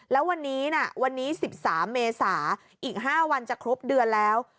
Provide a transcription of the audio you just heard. แล้ววันนี้นะวันนี้๑๓เมษาอีก๕วันจะครบเดือนแล้ว